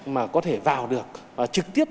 mà có thể vào được và trực tiếp